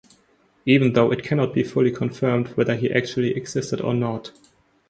Even though it cannot be fully confirmed whether he actually existed or not.